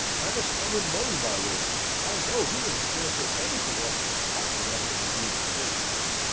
"I must get him money, my lord. I know he had scarcely anything left in his pocket after relieving me.